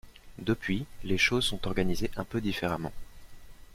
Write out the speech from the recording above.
Depuis, les choses sont organisées un peu différemment.